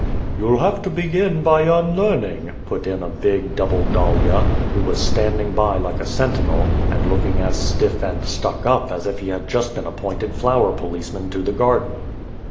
" You'll have to begin by unlearning," put in a big double dahlia, who was standing by like a sentinel, and looking as stiff and stuck up as if he had just been appointed flower policeman to the garden."